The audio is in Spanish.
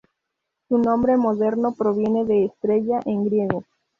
Su nombre moderno proviene de "estrella" en griego.